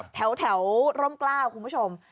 แถวร่มกล้าวคุณผู้ชม